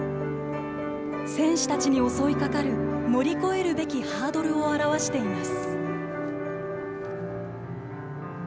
選手たちに襲いかかる乗り越えるべきハードルを表しています。